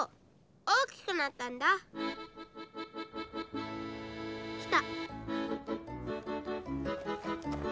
大きくなったんだ！来た。